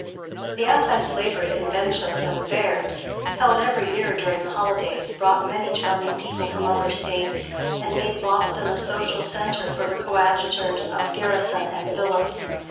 The anti slavery conventions and fairs, held every year during the holidays, brought many charming people from other States, and made Boston a social center for the coadjutors of Garrison and Phillips.